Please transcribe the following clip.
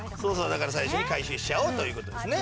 だから最初に回収しちゃおうという事ですね。